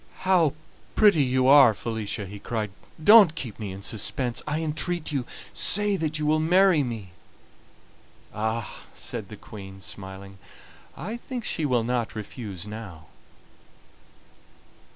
"How pretty you are, Felicia!" he cried. "Don't keep me in suspense, I entreat you; say that you will marry me." "Ah!" said the Queen, smiling, "I think she will not refuse now."